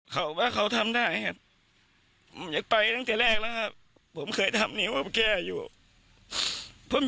เขาว่าเขาทำได้อยากไปตั้งแต่แรกแล้วครับ